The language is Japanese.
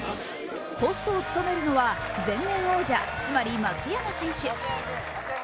ホストを務めるのは前年王者、つまり松山選手。